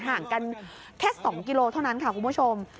ห่างกันแค่๒กิโลเท่านั้นค่ะคุณผู้ชม